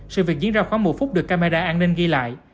sự việc diễn ra khoảng một phút được camera an ninh ghi lại